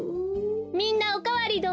みんなおかわりどう？